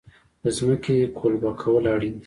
د ځمکې قلبه کول اړین دي.